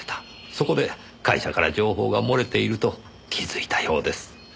そこで会社から情報が漏れていると気づいたようです。